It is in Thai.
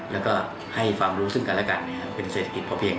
แล้วก็ให้ความรู้ซึ่งกันและกันเป็นเศรษฐกิจพอเพียง